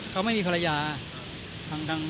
เขาไม่มีพรรณร่ายลูกไง